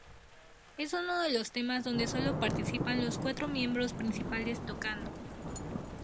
Es uno de los temas donde sólo participan los cuatro miembros principales tocando.